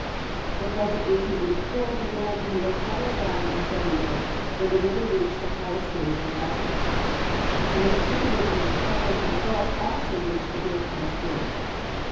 The floods of 1884 began in the Ohio valley in Fehruaiy, when the river reached the highest stage on record. The Missis sippi river from Cairo to the Gulf also reached a very high stage.